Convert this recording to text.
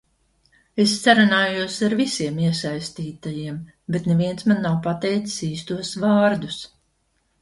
Es sarunājos ar visiem iesaistītajiem, bet neviens man nav pateicis īstos vārdus.